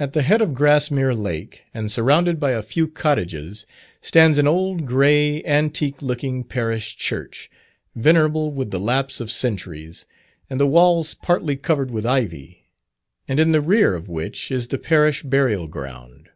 At the head of Grassmere Lake, and surrounded by a few cottages, stands an old gray, antique looking Parish Church, venerable with the lapse of centuries, and the walls partly covered with ivy, and in the rear of which is the parish burial ground.